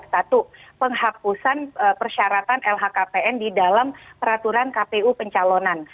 satu penghapusan persyaratan lhkpn di dalam peraturan kpu pencalonan